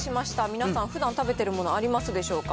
皆さん、ふだん食べてるものありますでしょうか。